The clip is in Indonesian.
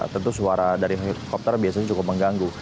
tentu suara dari helikopter biasanya cukup mengganggu